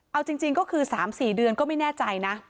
เอาจริงก็คือ๓๔เดือนก็ไม่แน่ใจนะ